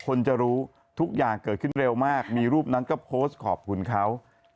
คนจะรู้ทุกอย่างเกิดขึ้นเร็วมากมีรูปนั้นก็โพสต์ขอบคุณเขา